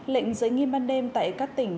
lệnh giới nghiêm ban đêm tại các tỉnh